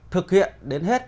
thực hiện đến hết